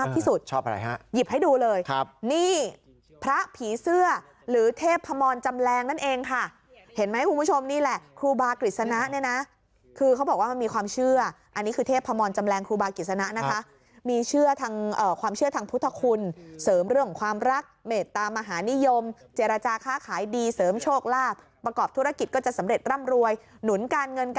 เทพพมรจำแรงนั่นเองค่ะเห็นไหมคุณผู้ชมนี่แหละครูบากฤษณะเนี่ยนะคือเขาบอกว่ามันมีความเชื่ออ่ะอันนี้คือเทพพมรจำแรงครูบากฤษณะนะคะมีเชื่อทางเอ่อความเชื่อทางพุทธคุณเสริมเรื่องของความรักเมตตามหานิยมเจรจาค่าขายดีเสริมโชคลาภประกอบธุรกิจก็จะสำเร็จร่ำรวยหนุนการเงิ